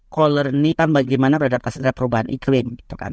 kolerni tambah bagaimana beradaptasi dari perubahan iklim gitu kan